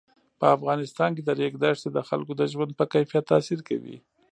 په افغانستان کې د ریګ دښتې د خلکو د ژوند په کیفیت تاثیر کوي.